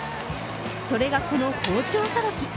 それがこの包丁さばき。